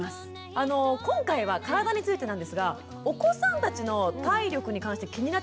あの今回は体についてなんですがお子さんたちの体力に関して気になってることってありますか？